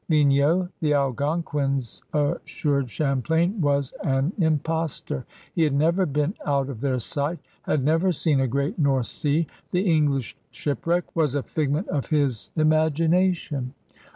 *^^gnau, the Algonquins assured Champlain, was an impostor; he had never been out of their sight, had never seen a Great North Sea; the English shipwreck was a figment of his imagination.